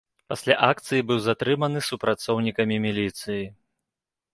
Пасля акцыі быў затрыманы супрацоўнікамі міліцыі.